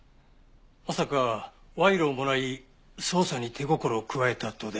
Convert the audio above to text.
まさか賄賂をもらい捜査に手心を加えたとでも？